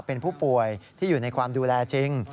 เป็นผู้ป่วยที่อยู่ในความดูแลจริง